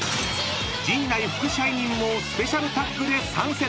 ［陣内副支配人もスペシャルタッグで参戦］